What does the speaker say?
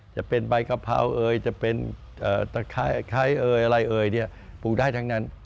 จะเป็นใบกะเพราจะเป็นไข้อะไรปลูกได้ทั้งนั้น